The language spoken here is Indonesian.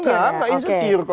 enggak gak insecure kok